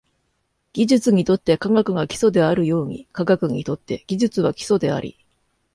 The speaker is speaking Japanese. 技術にとって科学が基礎であるように、科学にとって技術は基礎であり、